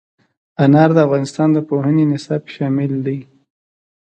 انار د افغانستان د پوهنې نصاب کې شامل دي.